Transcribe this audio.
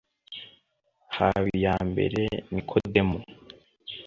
Habiyambere Nicodem